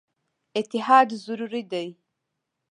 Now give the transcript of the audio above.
اتحاد ضروري دی.